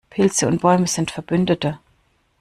Pilze und Bäume sind Verbündete.